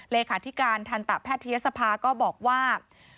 เลขาธิการทันตาแพทย์เทียสภาก็บอกว่า